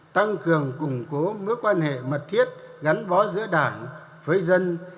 tăng cường củng cố mối quan hệ mật thiết gắn bó giữa đảng với dân